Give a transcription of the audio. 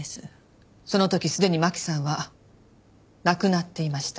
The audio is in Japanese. その時すでに真輝さんは亡くなっていました。